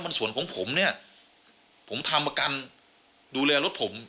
ส่วนของผมเนี่ยผมทำประกันดูแลรถผม